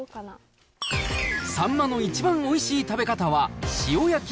サンマの一番おいしい食べ方は塩焼き？